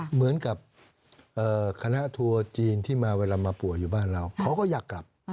เหมือนกับคณะทัวร์จีนที่มาเวลามาป่วยอยู่บ้านเราเขาก็อยากกลับ